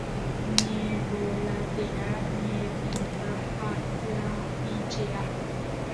Ñevolantea ñepinta ha jeʼafichea.